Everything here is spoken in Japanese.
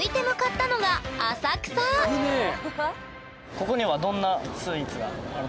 ここにはどんなスイーツがあるの？